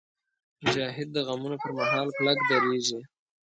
مجاهد د غمونو پر مهال کلک درېږي.